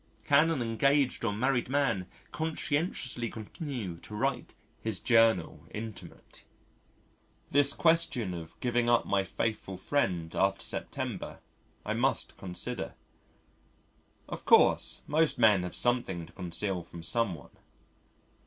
Can an engaged or married man conscientiously continue to write his journal intime? This question of giving up my faithful friend after September I must consider. Of course most men have something to conceal from someone.